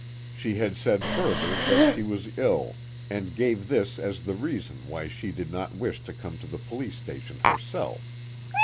She had said further that she was ill, and gave this as the reason why she did not wish to come to the police station herself.